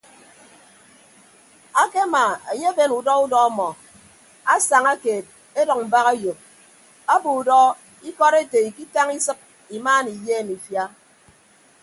Akemaa enye eben udọ udọ ọmọ asaña keed edʌk mbak eyop abo udọ ikọd ete ikitañ isịp imaana iyeem ifia.